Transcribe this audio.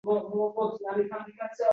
Qandaqa ho‘kiz edi